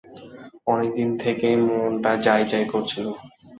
অনেক দিন থেকেই মনটা যাই-যাই করছিল।